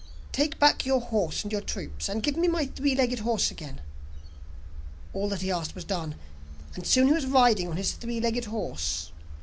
'Take back your horse and your troops, and give me my three legged horse again.' All that he asked was done, and soon he was riding on his three legged horse.